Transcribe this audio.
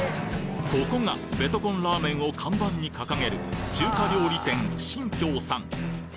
ここがベトコンラーメンを看板に掲げる中華料理店新京さん